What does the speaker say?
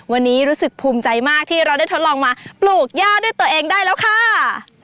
วันนี้รู้สึกภูมิใจมากที่เราได้ทดลองมาปลูกย่าด้วยตัวเองได้แล้วค่ะ